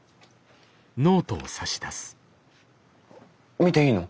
見ていいの？